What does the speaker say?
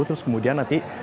terus kemudian nanti